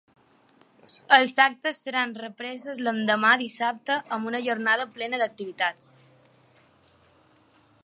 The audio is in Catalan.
Els actes seran represos l’endemà, dissabte, amb una jornada plena d’activitats.